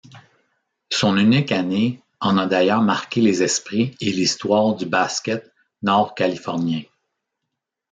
Son unique année en a d'ailleurs marqué les esprits et l'histoire du basket nord-californien.